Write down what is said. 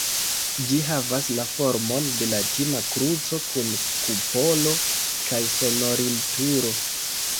Ĝi havas la formon de latina kruco, kun kupolo kaj sonorilturo.